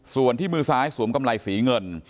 ส่วนที่มือซ้ายสวมกำไรสีเงิน